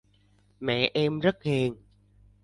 Mẹ em rất hiền